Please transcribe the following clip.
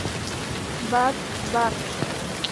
Vat., Barb.